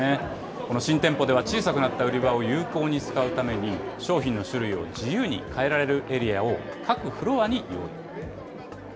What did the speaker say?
この新店舗では小さくなった売り場を有効に使うために、商品の種類を自由に変えられるエリアを、各フロアに用意。